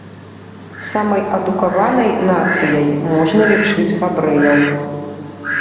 Самай адукаванай нацыяй можна лічыць габрэяў.